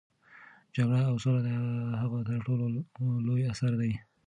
جګړه او سوله د هغه تر ټولو لوی اثر دی.